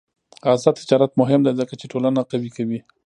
آزاد تجارت مهم دی ځکه چې ټولنه قوي کوي.